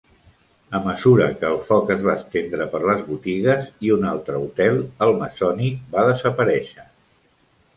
A mesura que el foc es va estendre per les botigues i un altre hotel, el Masonic va desaparèixer.